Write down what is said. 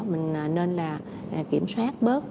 mình nên là kiểm soát bớt